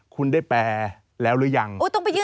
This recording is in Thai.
คุณได้แปลแล้วหรือยัง